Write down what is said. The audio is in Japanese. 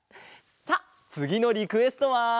さあつぎのリクエストは。